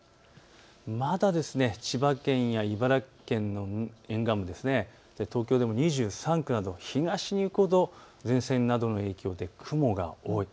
まだ千葉県や茨城県の沿岸部、東京でも２３区など東に行くほど前線などの影響で雲が多い。